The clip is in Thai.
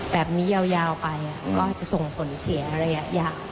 แบบนี้ยาวไปก็จะส่งผลเสียระยะยาว